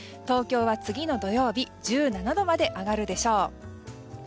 東京は次の土曜日１７度まで上がるでしょう。